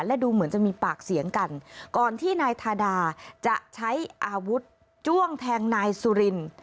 และดูเหมือนจะมีปากเสียงกันก่อนที่นายทาดาจะใช้อาวุธจ้วงแทงนายสุริน